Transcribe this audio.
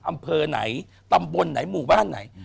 อำเภอไหนตำบลไหนหมู่บ้านไหน